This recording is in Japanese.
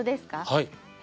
はい。